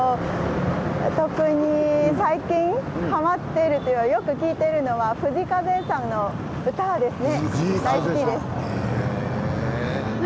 特に、最近はまっているよく聴いているのは藤井風さんの歌ですね。